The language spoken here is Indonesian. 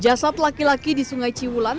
jasad laki laki di sungai ciwulan